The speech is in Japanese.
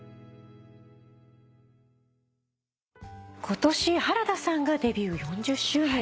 今年原田さんがデビュー４０周年。